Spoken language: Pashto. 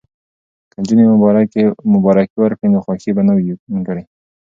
که نجونې مبارکي ورکړي نو خوښي به نه وي نیمګړې.